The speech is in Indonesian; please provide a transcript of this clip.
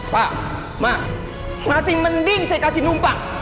pak ma masih mending saya kasih numpa